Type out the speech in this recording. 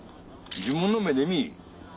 自分の目で見ぃ。